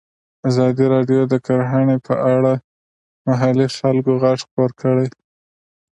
ازادي راډیو د کرهنه په اړه د محلي خلکو غږ خپور کړی.